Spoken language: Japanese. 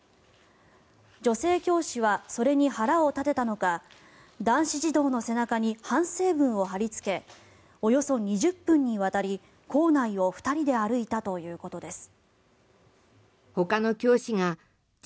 女性教師はそれに腹を立てたのか男子児童の背中に反省文を貼りつけおよそ２０分にわたり校内を２人で歩いたということです。